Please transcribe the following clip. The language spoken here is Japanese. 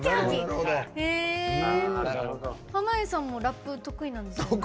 濱家さんもラップ得意なんですよね？